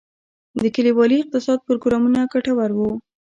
د کلیوالي اقتصاد پروګرامونه ګټور وو؟